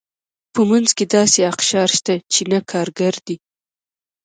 په منځ کې داسې اقشار شته چې نه کارګر دي.